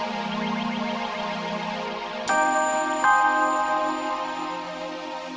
saya akan memiliki seluruh perkebunan ini